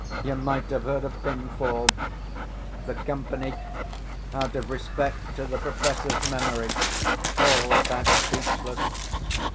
You might have heard a pin fall. The company (out of respect to the Professor's memory) all sat speechless.